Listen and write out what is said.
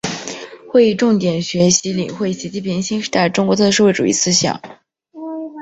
会议重点学习领会习近平新时代中国特色社会主义思想